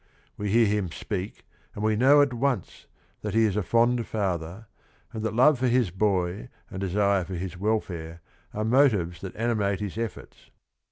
We hear him speak and we know at once that he is a fond father, and that love for his boy and desire for his welfare are motives that animate his efforts.